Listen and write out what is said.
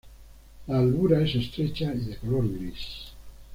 La albura es estrecha y de color gris.